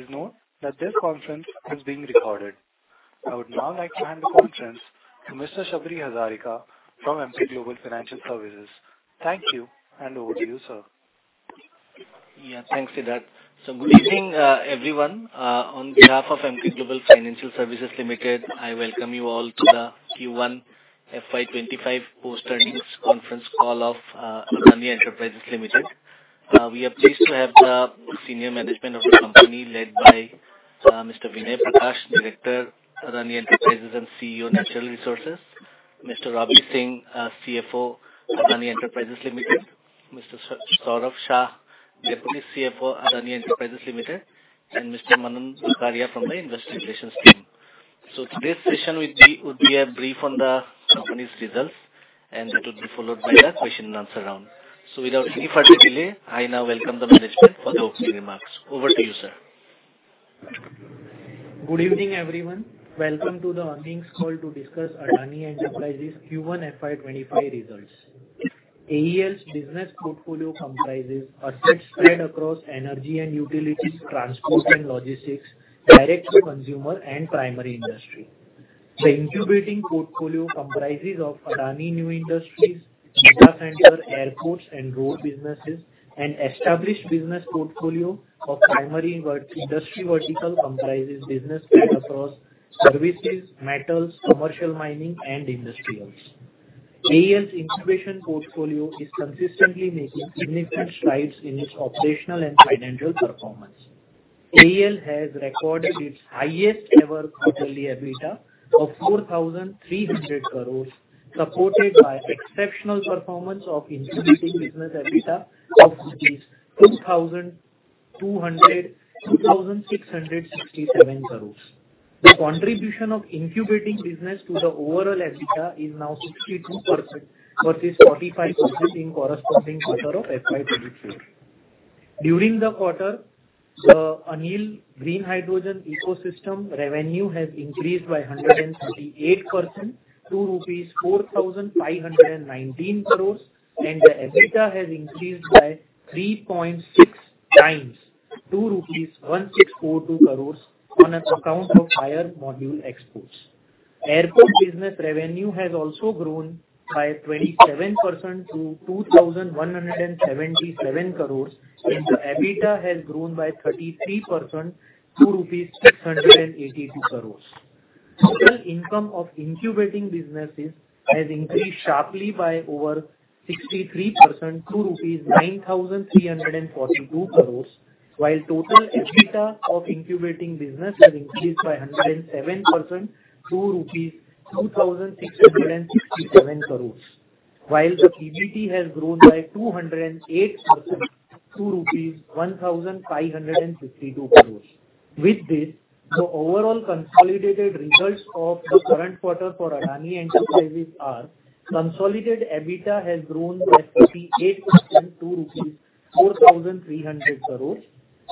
Please note that this conference is being recorded. I would now like to hand the conference to Mr. Sabri Hazarika from Emkay Global Financial Services. Thank you, and over to you, sir. Yeah, thanks, Siddharth. So good evening, everyone. On behalf of Emkay Global Financial Services Limited, I welcome you all to the Q1 FY25 post-earnings conference call of Adani Enterprises Limited. We are pleased to have the senior management of the company led by Mr. Vinay Prakash, Director, Adani Enterprises and CEO, Natural Resources; Mr. Robbie Singh, CFO, Adani Enterprises Limited; Mr. Saurabh Shah, Deputy CFO, Adani Enterprises Limited; and Mr. Manan Vakharia from the Investor Relations team. So today's session will be a brief on the company's results, and that will be followed by the question and answer round. So without any further delay, I now welcome the management for the opening remarks. Over to you, sir. Good evening, everyone. Welcome to the earnings call to discuss Adani Enterprises' Q1 FY 2025 results. AEL's business portfolio comprises assets spread across energy and utilities, transport and logistics, direct to consumer, and primary industry. The incubating portfolio comprises of Adani New Industries, data center, airports, and road businesses, and established business portfolio of primary industry vertical comprises business cut across services, metals, commercial mining, and industrials. AEL's incubation portfolio is consistently making significant strides in its operational and financial performance. AEL has recorded its highest ever quarterly EBITDA of 4,300 crore, supported by exceptional performance of incubating business EBITDA of 2,667 crore. The contribution of incubating business to the overall EBITDA is now 62%, versus 45% in corresponding quarter of FY 2023. During the quarter, the Adani Green Hydrogen ecosystem revenue has increased by 138% to INR 4,519 crore, and the EBITDA has increased by 3.6 times to INR 1,642 crore on account of higher module exports. Airport business revenue has also grown by 27% to 2,177 crore, and the EBITDA has grown by 33% to rupees 682 crore. Total income of incubating businesses has increased sharply by over 63% to 9,342 crore, while total EBITDA of incubating business has increased by 107% to rupees 2,667 crore, while the PBT has grown by 208% to rupees 1,562 crore. With this, the overall consolidated results of the current quarter for Adani Enterprises are: consolidated EBITDA has grown by 38% to 4,300 crore.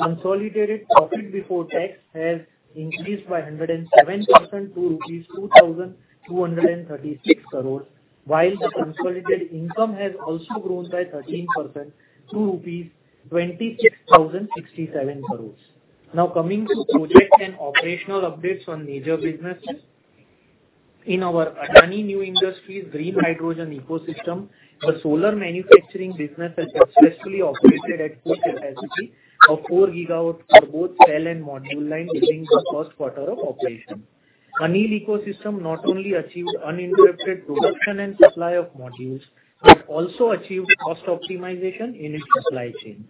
Consolidated profit before tax has increased by 107% to rupees 2,236 crore, while the consolidated income has also grown by 13% to rupees 26,067 crore. Now, coming to project and operational updates on major businesses. In our Adani New Industries green hydrogen ecosystem, the solar manufacturing business has successfully operated at full capacity of 4 GW for both cell and module line during the first quarter of operation. ANIL ecosystem not only achieved uninterrupted production and supply of modules, but also achieved cost optimization in its supply chain.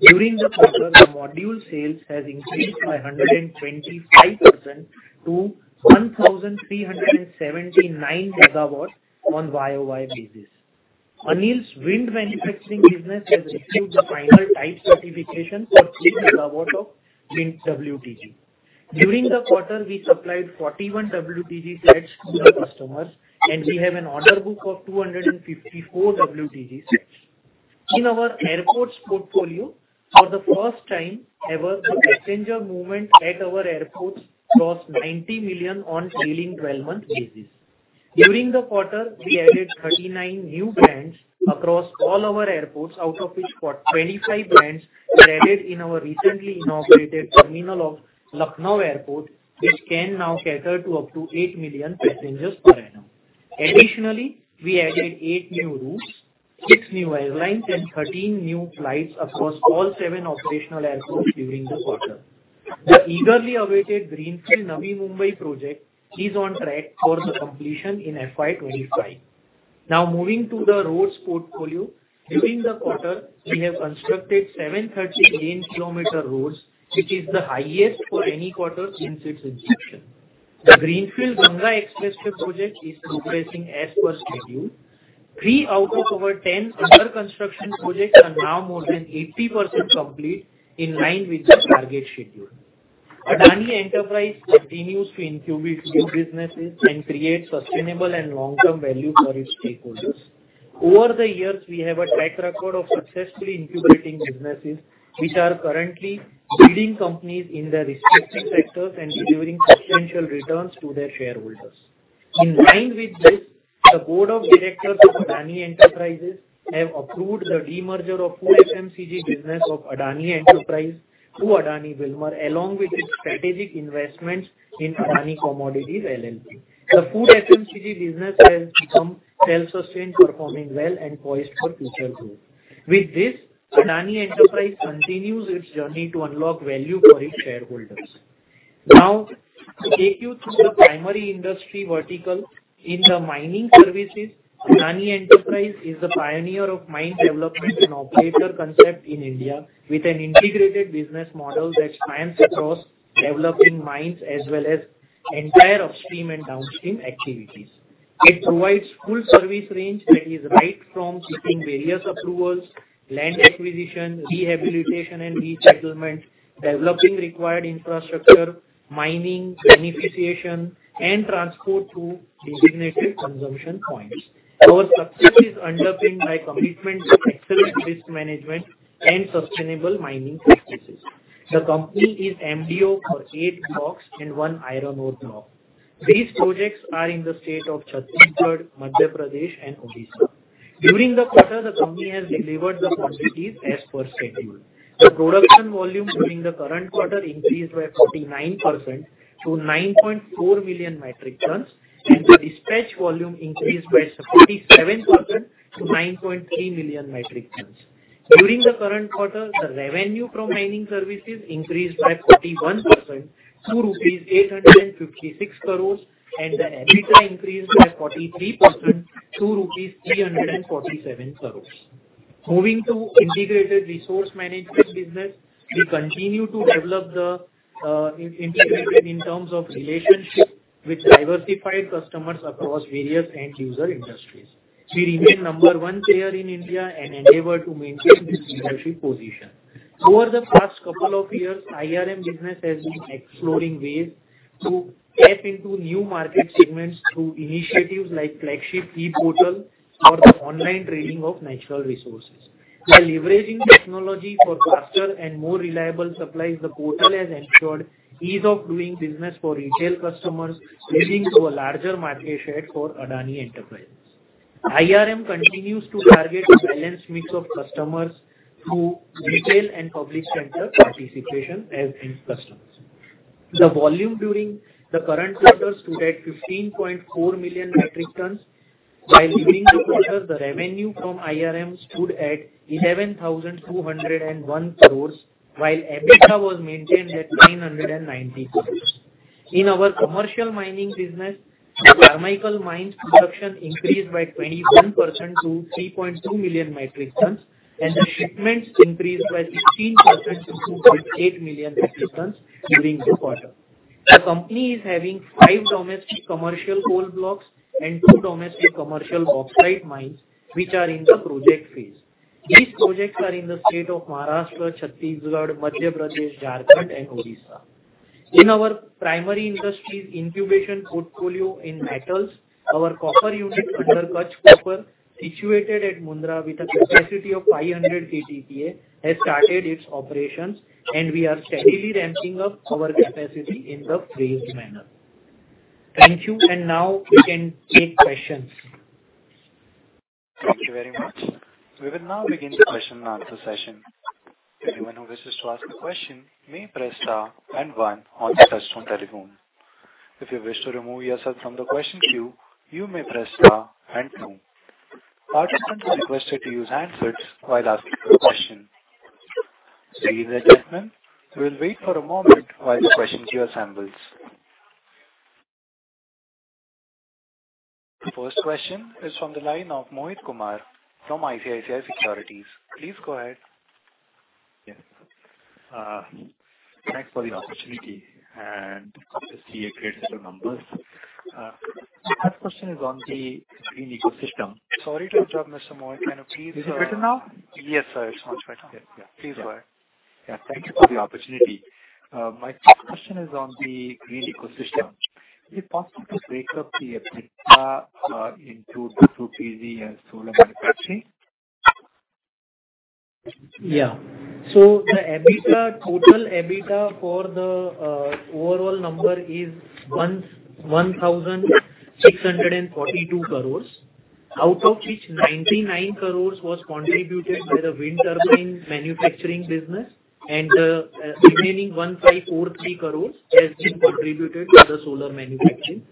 During the quarter, the module sales has increased by 125% to 1,379 GW on YoY basis. ANIL's wind manufacturing business has received the final type certification for 3 GW of wind WTG. During the quarter, we supplied 41 WTG sets to the customers, and we have an order book of 254 WTGs. In our airports portfolio, for the first time ever, the passenger movement at our airports crossed 90 million on trailing twelve-month basis. During the quarter, we added 39 new brands across all our airports, out of which 25 brands were added in our recently inaugurated terminal of Lucknow Airport, which can now cater to up to 8 million passengers per annum. Additionally, we added 8 new routes, 6 new airlines, and 13 new flights across all 7 operational airports during the quarter. The eagerly awaited greenfield Navi Mumbai project is on track for the completion in FY 2025. Now moving to the roads portfolio. During the quarter, we have constructed 730 lane kilometer roads, which is the highest for any quarter since its inception. The greenfield Ganga Expressway project is progressing as per schedule. Three out of our 10 under construction projects are now more than 80% complete, in line with the target schedule. Adani Enterprises continues to incubate new businesses and create sustainable and long-term value for its stakeholders. Over the years, we have a track record of successfully incubating businesses which are currently leading companies in their respective sectors and delivering substantial returns to their shareholders. In line with this. The board of directors of Adani Enterprises have approved the demerger of food FMCG business of Adani Enterprises to Adani Wilmar, along with its strategic investments in Adani Commodities LLP. The food FMCG business has become self-sustained, performing well, and poised for future growth. With this, Adani Enterprises continues its journey to unlock value for its shareholders. Now, to take you through the primary industry vertical. In the mining services, Adani Enterprises is the pioneer of mine development and operator concept in India, with an integrated business model that spans across developing mines as well as entire upstream and downstream activities. It provides full service range that is right from seeking various approvals, land acquisition, rehabilitation and resettlement, developing required infrastructure, mining, beneficiation, and transport to designated consumption points. Our success is underpinned by commitment to excellent risk management and sustainable mining practices. The company is MDO for eight blocks and one iron ore block. These projects are in the state of Chhattisgarh, Madhya Pradesh, and Odisha. During the quarter, the company has delivered the quantities as per schedule. The production volume during the current quarter increased by 49% to 9.4 million metric tons, and the dispatch volume increased by 47% to 9.3 million metric tons. During the current quarter, the revenue from mining services increased by 41% to rupees 856 crore, and the EBITDA increased by 43% to rupees 347 crore. Moving to integrated resource management business, we continue to develop the integrated in terms of relationship with diversified customers across various end user industries. We remain number one player in India and endeavor to maintain this leadership position. Over the past couple of years, IRM business has been exploring ways to tap into new market segments through initiatives like flagship e-portal for the online trading of natural resources. By leveraging technology for faster and more reliable supplies, the portal has ensured ease of doing business for retail customers, leading to a larger market share for Adani Enterprises. IRM continues to target a balanced mix of customers through retail and public sector participation as end customers. The volume during the current quarter stood at 15.4 million metric tons, while during the quarter, the revenue from IRM stood at 11,201 crores, while EBITDA was maintained at 990 crores. In our commercial mining business, Carmichael Mine's production increased by 21% to 3.2 million metric tons, and the shipments increased by 16% to 2.8 million metric tons during the quarter. The company is having five domestic commercial coal blocks and two domestic commercial bauxite mines, which are in the project phase. These projects are in the state of Maharashtra, Chhattisgarh, Madhya Pradesh, Jharkhand, and Odisha. In our primary industries incubation portfolio in metals, our copper unit under Kutch Copper, situated at Mundra with a capacity of 500 KTPA, has started its operations, and we are steadily ramping up our capacity in the phased manner. Thank you, and now we can take questions. Thank you very much. We will now begin the question and answer session. Anyone who wishes to ask a question may press star and one on the touchtone telephone. If you wish to remove yourself from the question queue, you may press star and two. Participants are requested to use handsets while asking the question. Seeing the adjustment, we'll wait for a moment while the question queue assembles. First question is from the line of Mohit Kumar from ICICI Securities. Please go ahead. Yeah. Thanks for the opportunity, and obviously, a great set of numbers. My first question is on the green ecosystem. Sorry to interrupt, Mr. Mohit. Can you please, Is it better now? Yes, sir. It's much better. Yeah, yeah. Please go ahead. Yeah, thank you for the opportunity. My first question is on the green ecosystem. Is it possible to break up the EBITDA into the two PG and solar manufacturing? Yeah. So the EBITDA, total EBITDA for the overall number is 1,642 crore, out of which 99 crore was contributed by the wind turbine manufacturing business, and the remaining 1,543 crore has been contributed to the solar manufacturing.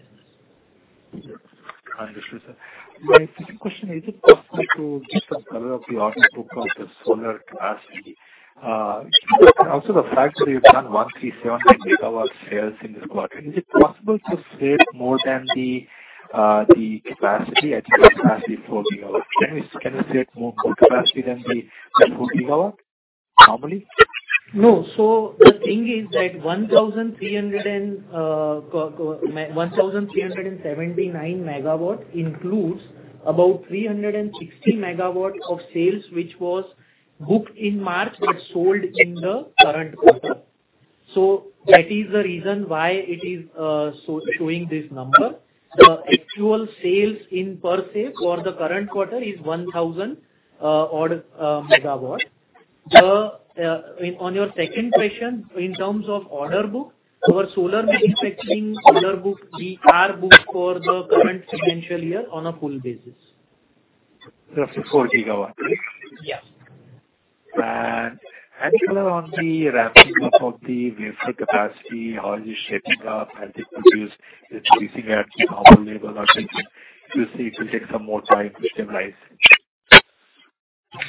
I understand, sir. My second question, is it possible to give the color of the order book of the solar capacity? Also the fact that you've done 137 MW sales in this quarter, is it possible to sell more than the, the capacity, actual capacity 4 GW? Can you, can you sell more capacity than the 4 GW annually? No. So the thing is that 1,379 MW includes about 360 MW of sales, which was booked in March, but sold in the current quarter. So that is the reason why it is so showing this number. The actual sales in per se for the current quarter is 1,000 odd MW. On your second question, in terms of order book, our solar manufacturing, solar book, we are booked for the current financial year on a full basis. The 4 GW, right? Yes. And any color on the ramping up of the wafer capacity? How is it shaping up? And it could use, it's increasing at the normal level, or do you see it will take some more time to stabilize?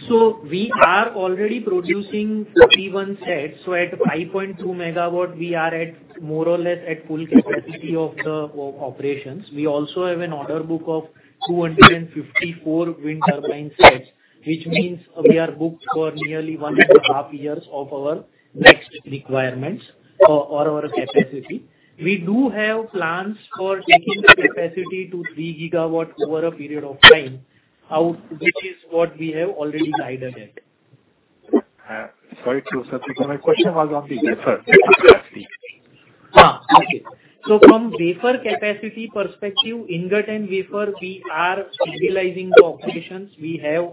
So we are already producing 41 sets. So at 5.2 MW, we are more or less at full capacity of the operations. We also have an order book of 254 wind turbine sets, which means we are booked for nearly one and a half years of our next requirements or our capacity. We do have plans for taking the capacity to 3 GW over a period of time, which is what we have already guided at. Sorry to interrupt you. My question was on the wafer capacity. Ah, okay. So from wafer capacity perspective, ingot and wafer, we are stabilizing the operations. We have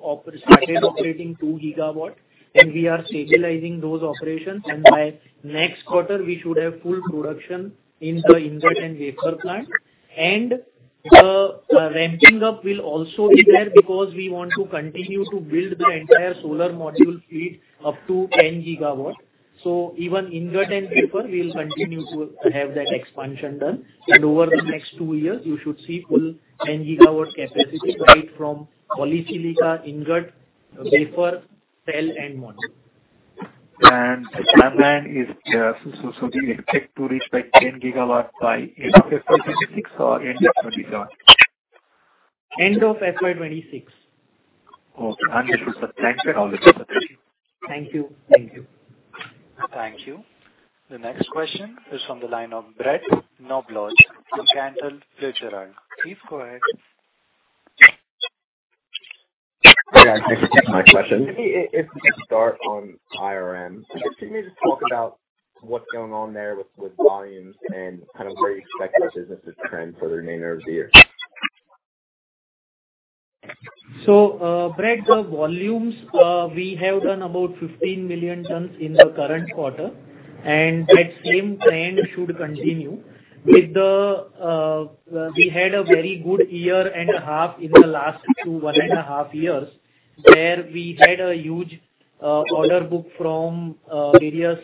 started operating 2 GW, and we are stabilizing those operations. And by next quarter, we should have full production in the ingot and wafer plant. And the ramping up will also be there because we want to continue to build the entire solar module fleet up to 10 GW. So even ingot and wafer, we will continue to have that expansion done. And over the next 2 years, you should see full 10 GW capacity, right from polysilicon, ingot, wafer, cell, and module. So, you expect to reach that 10 GW by end of FY 2026 or end of 2027? End of FY 2026. Okay. Understood, sir. Thanks for all the support. Thank you. Thank you. Thank you. The next question is from the line of Brett Knoblauch from Cantor Fitzgerald. Please go ahead. Hey, guys. Thanks for taking my question. Maybe if we could start on IRM, can you just talk about what's going on there with volumes and kind of where you expect the business to trend for the remainder of the year? So, Brett, the volumes, we have done about 15 million tons in the current quarter, and that same trend should continue. With the, we had a very good year and a half in the last two, one and a half years, where we had a huge, order book from, various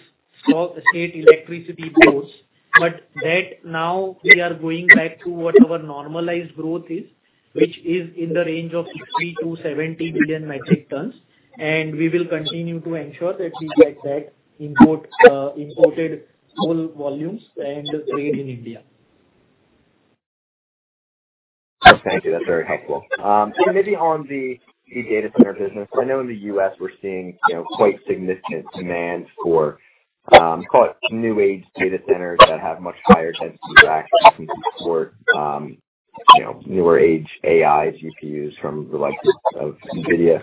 state electricity boards. But that now we are going back to what our normalized growth is, which is in the range of 60-70 million metric tons, and we will continue to ensure that we get that import, imported full volumes and trade in India. Thank you. That's very helpful. And maybe on the data center business, I know in the US we're seeing, you know, quite significant demand for call it new age data centers that have much higher density racks and can support, you know, newer age AIs, GPUs from the likes of Nvidia.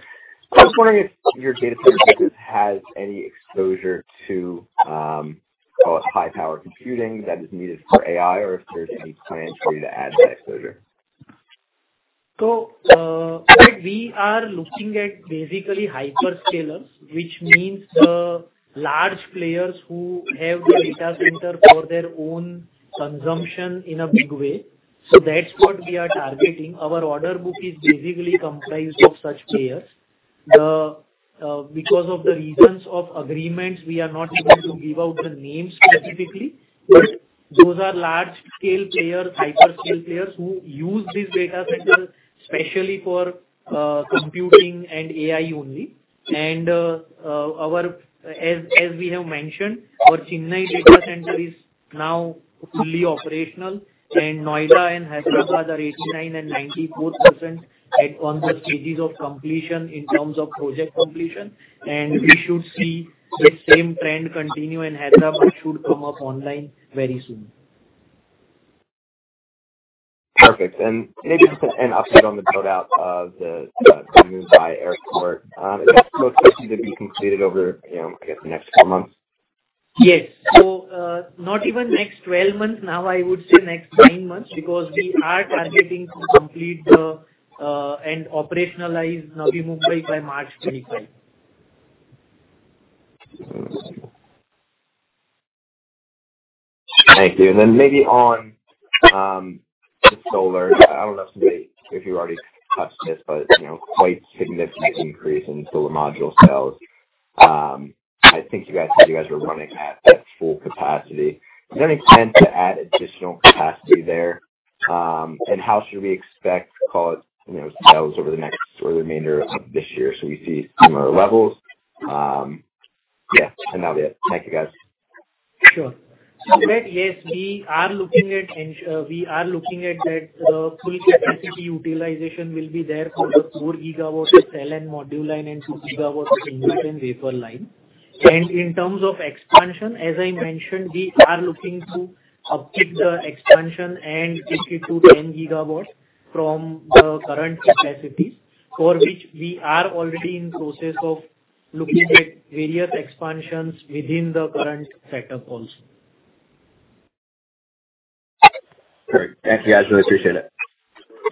I was wondering if your data center business has any exposure to call it high power computing that is needed for AI, or if there's any plans for you to add that exposure? So, we are looking at basically hyperscalers, which means the large players who have the data center for their own consumption in a big way. So that's what we are targeting. Our order book is basically comprised of such players. The, because of the reasons of agreements, we are not able to give out the names specifically, but those are large-scale players, hyperscale players, who use this data center especially for, computing and AI only. And, our, as we have mentioned, our Chennai data center is now fully operational, and Noida and Hyderabad are 89% and 94% at on the stages of completion in terms of project completion. And we should see the same trend continue, and Hyderabad should come up online very soon. Perfect. Maybe just an update on the build-out of the Mumbai airport. It's supposed to be completed over, you know, I guess, the next 12 months? Yes. So, not even next 12 months, now I would say next nine months, because we are targeting to complete the and operationalize Mumbai by March 2025. Thank you. And then maybe on the solar. I don't know if you, if you already touched this, but, you know, quite significant increase in solar module sales. I think you guys said you guys were running at, at full capacity. Any plans to add additional capacity there? And how should we expect, call it, you know, sales over the next or the remainder of this year? So we see similar levels. Yeah, and that'll be it. Thank you, guys. Sure. So yes, we are looking at that full capacity utilization will be there for the 4-GW cell and module line, and 2-GW ingot and wafer line. In terms of expansion, as I mentioned, we are looking to uptick the expansion and take it to 10 GW from the current capacity, for which we are already in process of looking at various expansions within the current setup also.... Thank you guys, really appreciate it.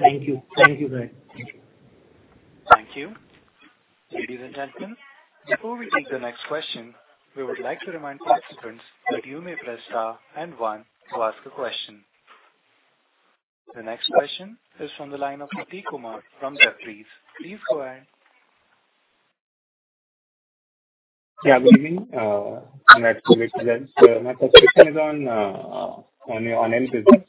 Thank you. Thank you, guys. Thank you. Ladies and gentlemen, before we take the next question, we would like to remind participants that you may press star and one to ask a question. The next question is from the line of Prateek Kumar from Jefferies. Please go ahead. Yeah, good evening from Jefferies. So my first question is on your online business.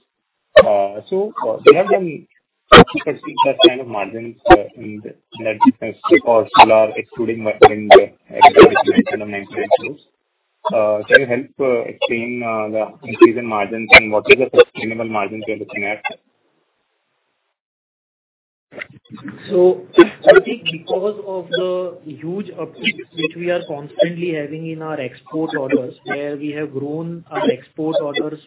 So there have been kind of margins in that perspective or still are excluding the FY19. Can you help explain the increase in margins and what is the sustainable margins you're looking at? So I think because of the huge uptake which we are constantly having in our export orders, where we have grown our export orders,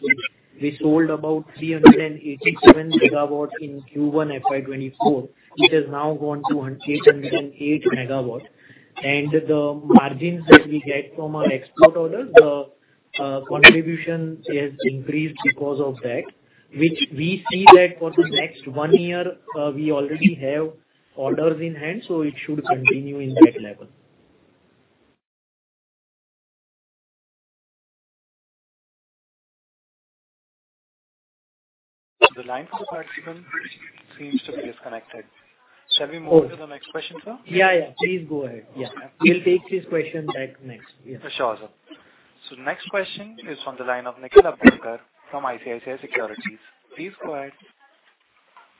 we sold about 387 GW in Q1 FY 2024. It has now gone to 808 MW. And the margins that we get from our export orders, the contribution has increased because of that, which we see that for the next one year, we already have orders in hand, so it should continue in that level. The line for the participant seems to be disconnected. Shall we move to the next question, sir? Yeah, yeah, please go ahead. Yeah, we'll take his question back next. Yes. Sure, sir. So the next question is from the line of Nikhil Abhyankar from ICICI Securities. Please go ahead.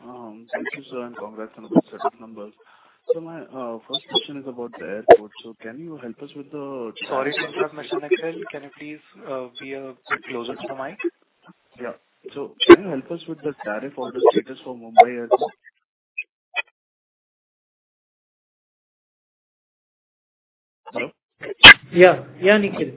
Thank you, sir, and congrats on a good set of numbers. So my first question is about the airport. So can you help us with the- Sorry to interrupt, Nikhil. Can you please be a bit closer to the mic? Yeah. So can you help us with the tariff order status for Mumbai Airport? Hello? Yeah, yeah, Nikhil.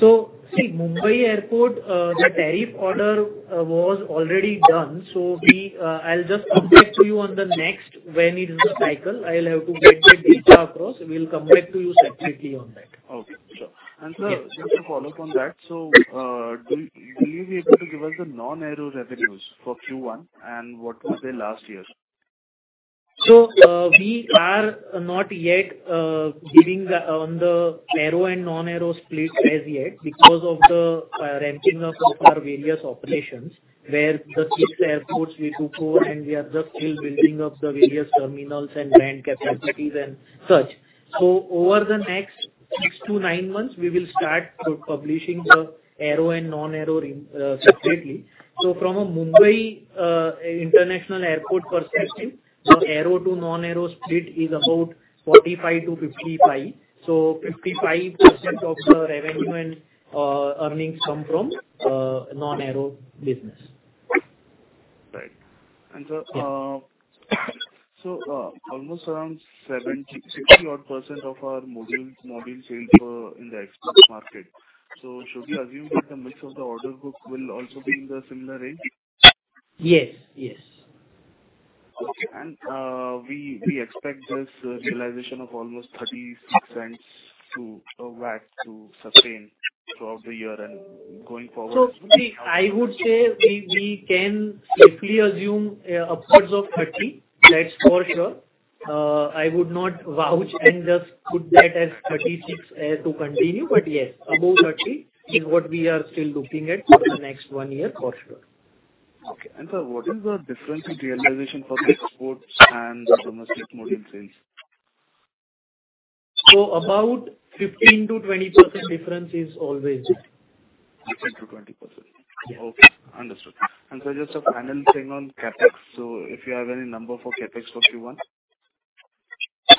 So see, Mumbai Airport, the tariff order was already done, so we, I'll just come back to you on the next. When it is a cycle, I'll have to get the data across. We'll come back to you separately on that. Okay, sure. Sir, just to follow up on that, so will you be able to give us the non-aero revenues for Q1 and what was last year's? So, we are not yet giving the, on the aero and non-aero split as yet because of the, ramping up of our various operations, where the 6 airports we do 4 and we are just still building up the various terminals and land capacities and such. So over the next 6 to 9 months, we will start publishing the aero and non-aero re, separately. So from a Mumbai, International Airport perspective, the aero to non-aero split is about 45-55. So 55% of the revenue and, earnings come from, non-aero business. Right. And, sir, so, almost around 70, 60-odd% of our module, module sales are in the export market. So should we assume that the mix of the order book will also be in the similar range? Yes, yes. Okay. We expect this realization of almost $0.36 to a Watt to sustain throughout the year and going forward? So see, I would say we can safely assume upwards of 30. That's for sure. I would not vouch and just put that as 36 to continue, but yes, above 30 is what we are still looking at for the next one year for sure. Okay. And, sir, what is the difference in realization for the exports and the domestic module sales? About 15%-20% difference is always. 15%-20%. Yeah. Okay, understood. And so just a final thing on CapEx. So if you have any number for CapEx for Q1?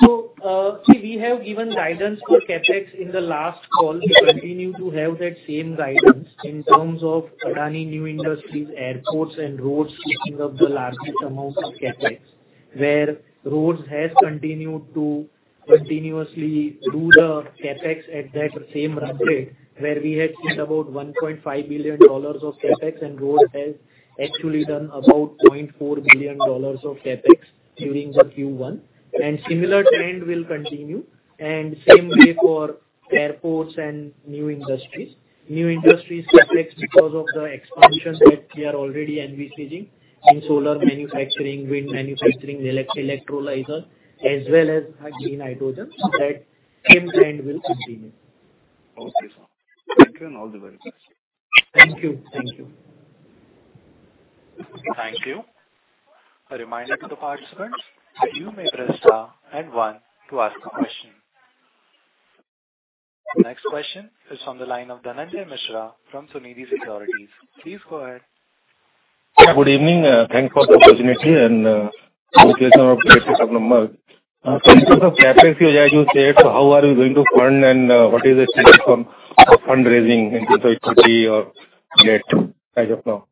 So, see, we have given guidance for CapEx in the last call. We continue to have that same guidance in terms of Adani New Industries, airports and roads taking up the largest amount of CapEx, where roads has continued to continuously do the CapEx at that same run rate, where we had seen about $1.5 billion of CapEx, and roads has actually done about $0.4 billion of CapEx during the Q1. And similar trend will continue, and same way for airports and New Industries. New Industries CapEx, because of the expansion that we are already envisaging in solar manufacturing, wind manufacturing, electrolyzer, as well as green hydrogen, that same trend will continue. Okay, sir. Thank you, and all the best. Thank you. Thank you. Thank you. A reminder to the participants that you may press star and one to ask a question. The next question is from the line of Dhananjay Mishra from Sunidhi Securities. Please go ahead. Good evening, thank you for the opportunity and, congratulations on the numbers. In terms of CapEx, as you said, so how are you going to fund and, what is the plan from fundraising in terms of equity or debt as of now?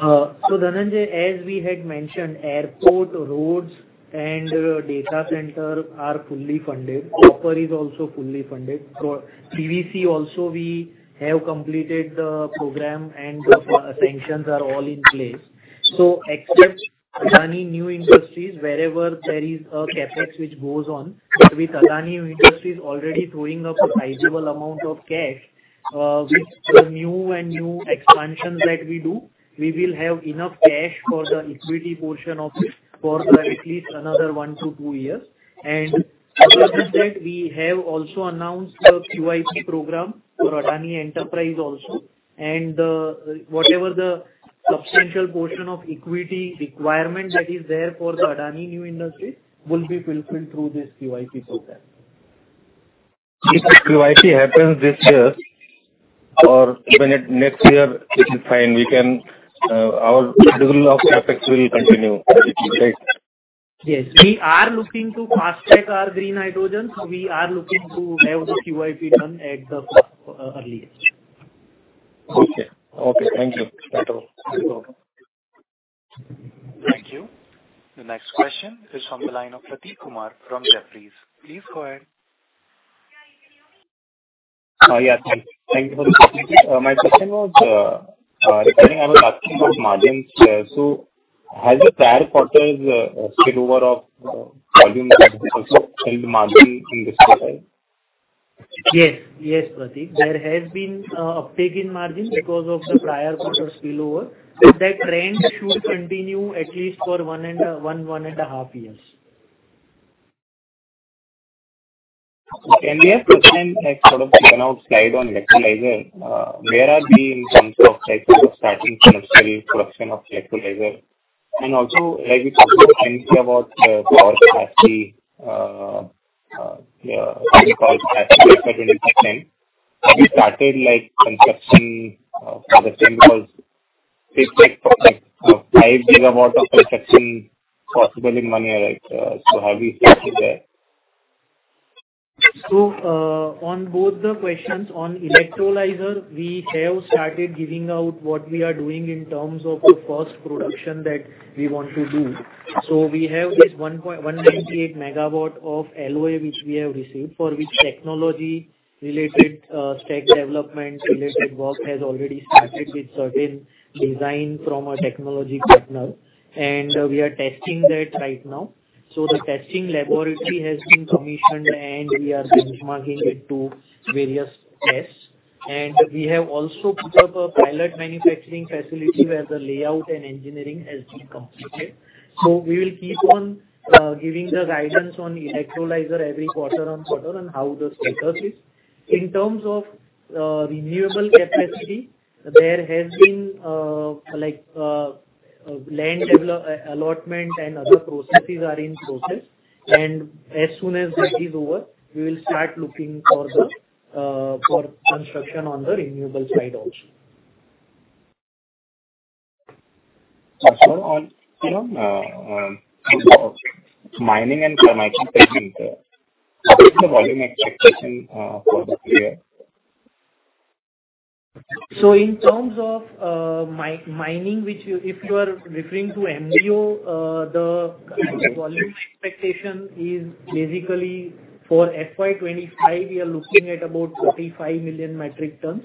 So, Dhananjay, as we had mentioned, airport, roads, and data center are fully funded. Copper is also fully funded. So PVC also, we have completed the program and the sanctions are all in place. So except Adani New Industries, wherever there is a CapEx which goes on, with Adani Enterprises already throwing up a sizable amount of cash, with the new expansions that we do, we will have enough cash for the equity portion of it for at least another one to two years. And apart from that, we have also announced a QIP program for Adani Enterprises also. And whatever the substantial portion of equity requirement that is there for the Adani New Industries will be fulfilled through this QIP program. If the QIP happens this year or when it next year, it is fine. We can, our schedule of CapEx will continue, right? Yes. We are looking to fast-track our green hydrogen, so we are looking to have the QIP done at the earliest. Okay. Okay, thank you. That's all. No problem. Thank you. The next question is from the line of Pratik Kumar from Jefferies. Please go ahead. Yeah, can you hear me? Yeah, thank you. Thank you for the opportunity. My question was, regarding, I was asking about margins. So has the prior quarter spillover of volume has also held margin in this quarter? Yes. Yes, Pratik. There has been an uptick in margin because of the prior quarter spillover. That trend should continue at least for one and a half years. Okay. The next question, I sort of went to the slide on electrolyzer. Where are we in terms of timeline for starting commercial production of electrolyzer? And also, like you talked about, power capacity. Have you started, like, construction for the same? Because it takes project of 5 GW of construction possible in 1 year, like, so have you started that? So, on both the questions, on electrolyzer, we have started giving out what we are doing in terms of the first production that we want to do. So we have this 1.198 MW of LOA, which we have received, for which technology related stack development related work has already started with certain design from a technology partner, and we are testing that right now. So the testing laboratory has been commissioned, and we are benchmarking it to various tests. And we have also put up a pilot manufacturing facility where the layout and engineering has been completed. So we will keep on giving the guidance on electrolyzer every quarter on quarter and how the status is. In terms of renewable capacity, there has been, like, land allotment and other processes are in process. As soon as that is over, we will start looking for the for construction on the renewable side also. And so on, you know, mining and Carmichael segment, what is the volume expectation for the year? So in terms of mining, which if you are referring to MDO, the volume expectation is basically for FY 2025, we are looking at about 35 million metric tons,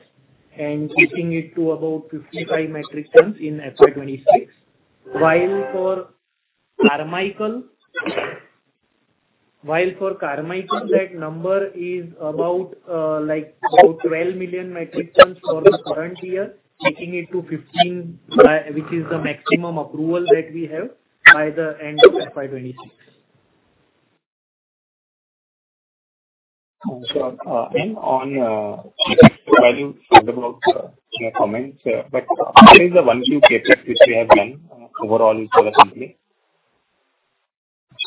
and taking it to about 55 metric tons in FY 2026. While for Carmichael, that number is about, like, about 12 million metric tons for the current year, taking it to 15, which is the maximum approval that we have by the end of FY 2026. And so, and on, while you talked about in your comments, but what is the one new CapEx which you have done, overall for the company?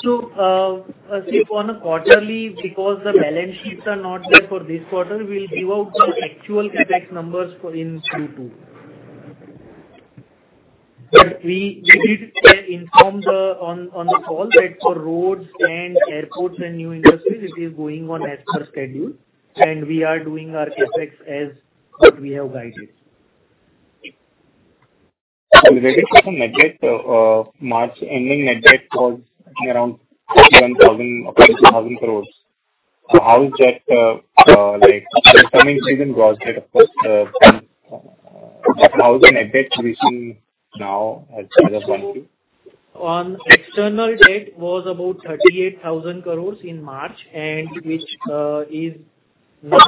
So, as on a quarterly, because the balance sheets are not there for this quarter, we'll give out the actual CapEx numbers for Q2. But we did inform them on the call that for roads and airports and new industries, it is going on as per schedule, and we are doing our CapEx as what we have guided. Are you ready for the net debt, March ending net debt was around 31,000 crore approximately. So how is that, like, I mean, season growth rate, of course, but how is the net debt position now as of 1, 2? Our external debt was about 38,000 crore in March, and which, is now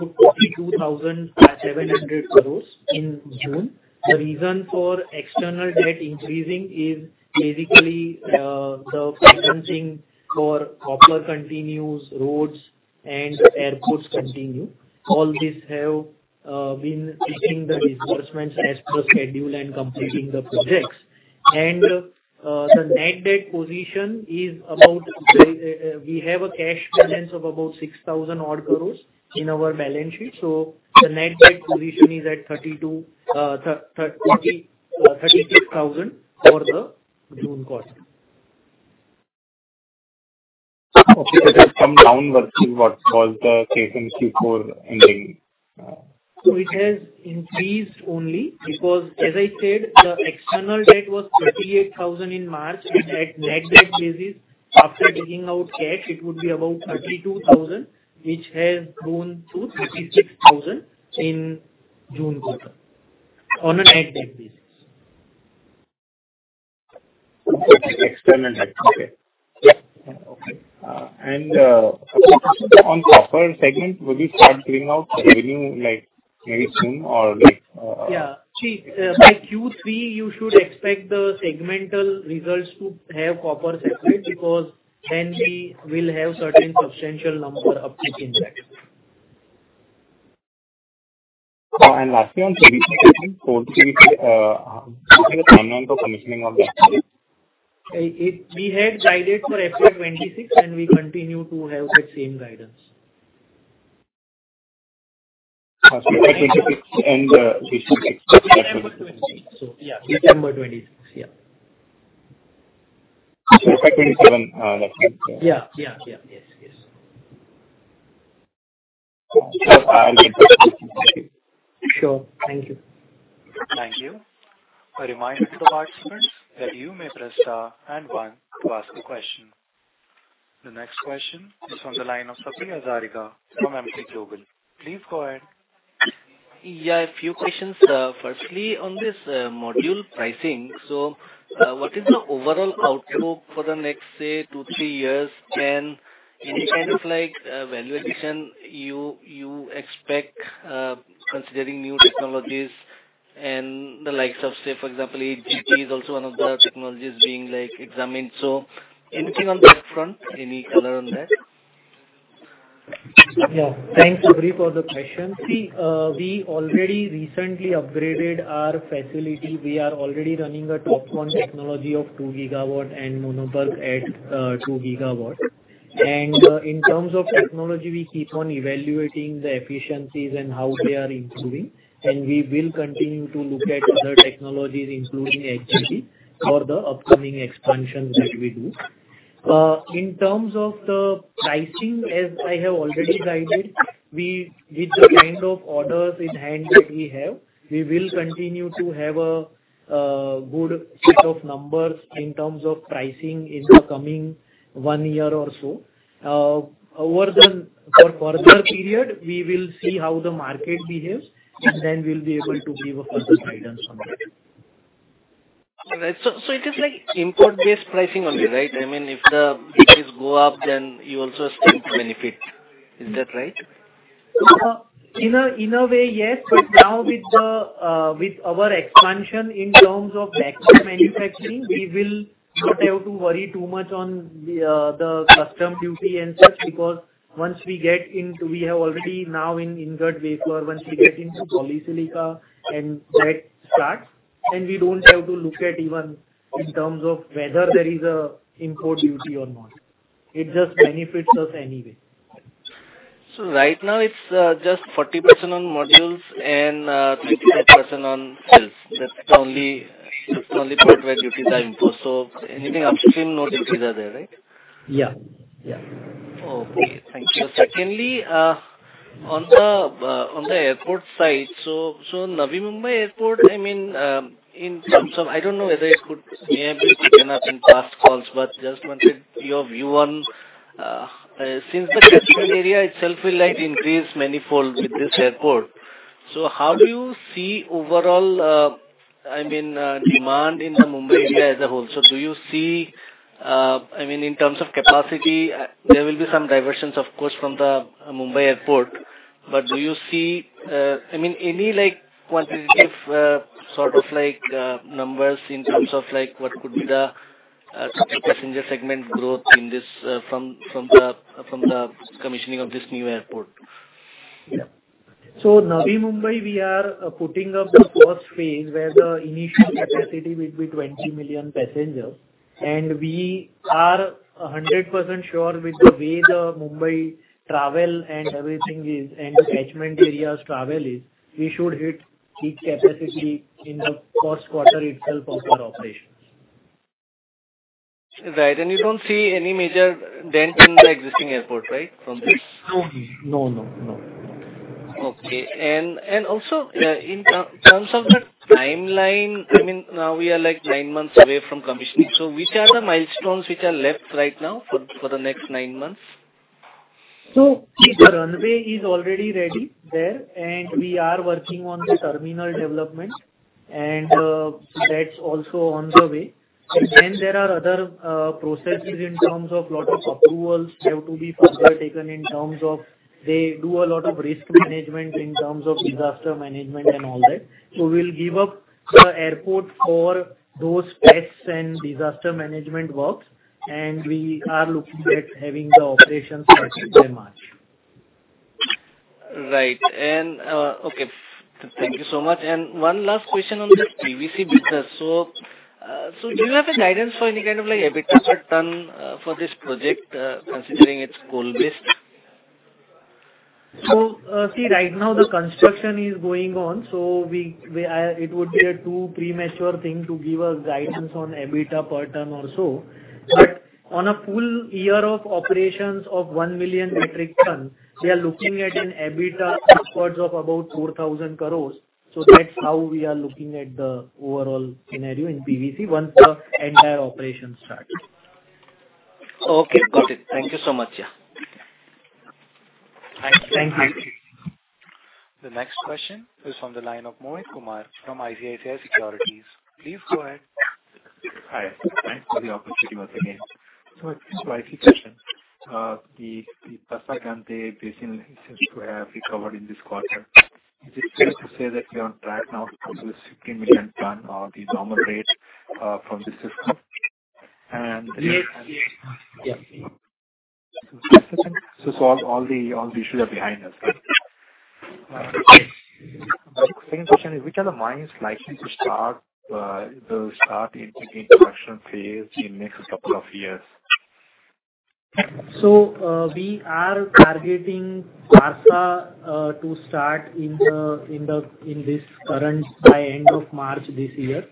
to 42,700 crore in June. The reason for external debt increasing is basically, the financing for copper continues, roads and airports continue. All these have, been taking the disbursements as per schedule and completing the projects. And, the net debt position is about, we have a cash balance of about 6,000 crore in our balance sheet, so the net debt position is at 32, 36,000 for the June quarter. Okay. So it has come down versus what was the case in Q4 ending. So it has increased only because, as I said, the external debt was 38,000 in March, and at net debt basis, after taking out cash, it would be about 32,000, which has grown to 36,000 in June quarter, on a net debt basis. External debt. Okay. Yeah. Okay. On copper segment, will we start giving out revenue like very soon or like? Yeah. See, by Q3, you should expect the segmental results to have copper separate, because then we will have certain substantial number of kick in there. Lastly, on commissioning of the factory. It, we had guided for FY 26, and we continue to have that same guidance. FY 2026 and December 2026. December 26. So, yeah, December 26. Yeah. So FY 27, that's it? Yeah, yeah, yeah. Yes, yes. I'll get back to you. Sure. Thank you. Thank you. A reminder to participants that you may press star and one to ask a question. The next question is on the line of Sabri Hazarika from Emkay Global. Please go ahead. Yeah, a few questions. Firstly, on this, module pricing, so, what is the overall outlook for the next, say, two, three years? Then any kind of like, valuation you, you expect, considering new technologies and the likes of, say, for example, HJT is also one of the technologies being, like, examined. So anything on that front? Any color on that? Yeah. Thanks, Shabri, for the question. See, we already recently upgraded our facility. We are already running a TOPCon technology of 2 GWs and Mono PERC at 2 GWs. And in terms of technology, we keep on evaluating the efficiencies and how they are improving, and we will continue to look at other technologies, including HJT, for the upcoming expansions that we do. In terms of the pricing, as I have already guided, we, with the kind of orders in hand that we have, will continue to have a good set of numbers in terms of pricing in the coming one year or so. Over the further period, we will see how the market behaves, and then we'll be able to give a further guidance on that. Right. So it is like import-based pricing only, right? I mean, if the duties go up, then you also still benefit. Is that right? In a way, yes. But now with our expansion in terms of actual manufacturing, we will not have to worry too much on the custom duty and such, because once we get into... We have already now in ingot wafer, once we get into polysilicon and that starts, then we don't have to look at even in terms of whether there is a import duty or not. It just benefits us anyway. So right now it's just 40% on modules and 35% on cells. That's the only, that's the only part where duties are imposed. So anything upstream, no duties are there, right? Yeah, yeah. Okay, thank you. Secondly, on the airport side, so Navi Mumbai Airport, I mean, in terms of... I don't know whether it could maybe be taken up in past calls, but just wanted your view on, since the catchment area itself will, like, increase manifold with this airport. So how do you see overall, I mean, demand in the Mumbai area as a whole? So do you see, I mean, in terms of capacity, there will be some diversions, of course, from the Mumbai airport. But do you see, I mean, any, like, quantitative, sort of like, numbers in terms of, like, what could be the passenger segment growth in this, from the commissioning of this new airport? Yeah. So Navi Mumbai, we are putting up the first phase, where the initial capacity will be 20 million passengers, and we are 100% sure with the way the Mumbai travel and everything is, and the catchment area's travel is, we should hit peak capacity in the first quarter itself of our operations. Right. And you don't see any major dent in the existing airport, right, from this? No. No, no, no. Okay. And also, in terms of the timeline, I mean, now we are like nine months away from commissioning. So which are the milestones which are left right now for the next nine months? So the runway is already ready there, and we are working on the terminal development, and that's also on the way. And then there are other processes in terms of lot of approvals have to be further taken in terms of they do a lot of risk management, in terms of disaster management and all that. So we'll give up the airport for those tests and disaster management works, and we are looking at having the operations by March. Right. And, Okay, thank you so much. And one last question on this PVC business. So, so do you have a guidance for any kind of, like, EBITDA per ton, for this project, considering it's coal-based? See, right now the construction is going on, so we, it would be a too premature thing to give a guidance on EBITDA per ton or so. But on a full year of operations of 1 million metric tons, we are looking at an EBITDA upwards of about 4,000 crore. So that's how we are looking at the overall scenario in PVC once the entire operation starts. Okay, got it. Thank you so much, yeah. Thank you. The next question is from the line of Mohit Kumar from ICICI Securities. Please go ahead. Hi. Thanks for the opportunity once again. So just a quick question. The MDO seems to have recovered in this quarter. Is it fair to say that you're on track now to pursue the 16 million ton or the normal rate from the system? And- Yes, yes. So, all the issues are behind us, right? The second question is, which are the mines likely to start in production phase in next couple of years? We are targeting Parsa to start in this current by end of March this year.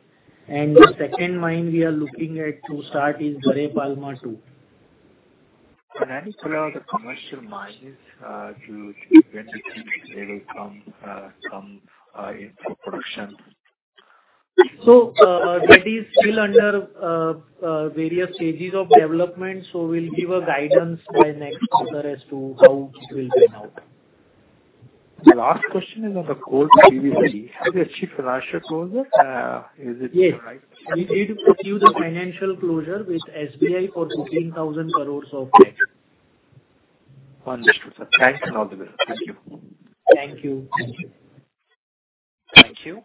The second mine we are looking at to start is Gare Palma II. And any other commercial mines, when do you think they will come into production? So, that is still under various stages of development, so we'll give a guidance by next quarter as to how it will pan out. The last question is on the call previously. Have you achieved financial closure? Is it the right- Yes, we did pursue the financial closure with SBI for 15,000 crore of debt. Understood, sir. Thanks and all the best. Thank you. Thank you. Thank you.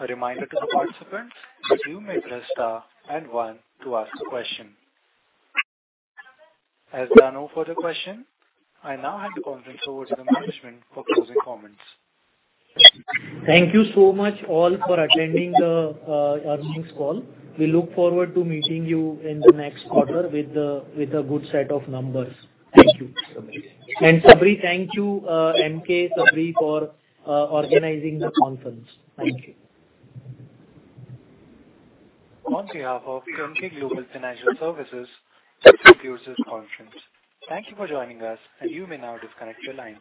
A reminder to the participants that you may press star and 1 to ask the question. As there are no further question, I now hand the conference over to the management for closing comments. Thank you so much all for attending the earnings call. We look forward to meeting you in the next quarter with a good set of numbers. Thank you. Thanks. Shabri, thank you, MK Shabri, for organizing the conference. Thank you. On behalf of Emkay Global Financial Services, thank you for this conference. Thank you for joining us, and you may now disconnect your lines.